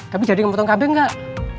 tapi jadi mau potong kambing nggak